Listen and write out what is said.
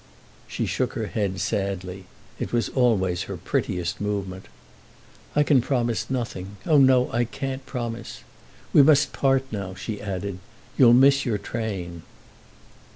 She shook her head sadly—it was always her prettiest movement. "I can promise nothing—oh, no, I can't promise! We must part now," she added. "You'll miss your train."